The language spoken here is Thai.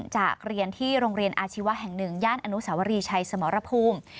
เรียนที่โรงเรียนอาชีวะแห่ง๑ย่านอนุสาวรีชัยสมรภูมิ